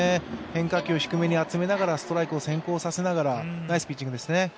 変化球を低めに集めながらストライクを先行させながら、ナイスピッチングですね。